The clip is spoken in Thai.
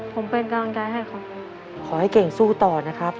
ผมเป็นกำลังใจให้ครับขอให้เก่งสู้ต่อนะครับ